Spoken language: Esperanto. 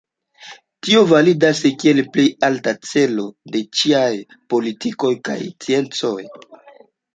Tio validas kiel plej alta celo de ĉiaj politikoj kaj sciencoj.